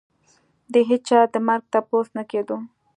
د هېچا د مرګ تپوس نه کېدو.